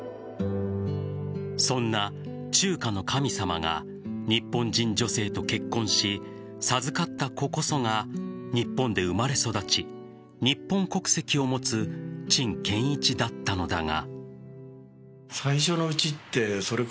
そんな中華の神様が日本人女性と結婚し授かった子こそが日本で生まれ育ち日本国籍を持つ陳建一だったのだが。